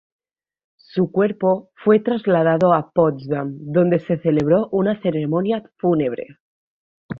Su cuerpo fue trasladado a Potsdam, donde se celebró una ceremonia fúnebre.